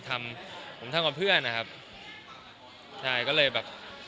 ทำผมทำกับเพื่อนนะครับใช่ก็เลยแบบ